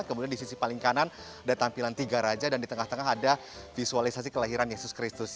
kemudian di sisi paling kanan ada tampilan tiga raja dan di tengah tengah ada visualisasi kelahiran yesus kristus